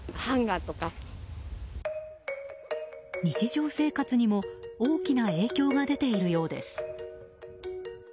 日常生活にも大きな影響が出ているようです。